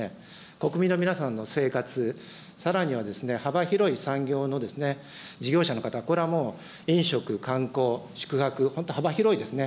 国民の皆さんの生活、さらには幅広い産業の事業者の方、これはもう、飲食、観光、宿泊、本当幅広いですね。